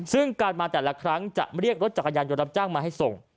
ซึ่งการมาแต่ละครั้งจะเรียกรถจักรยานยนต์รับจ้างมาให้ส่ง